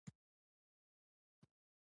کور د خپلواکۍ احساس ورکوي.